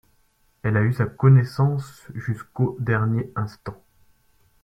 Elle a eu sa connaissance jusqu'au dernier instant.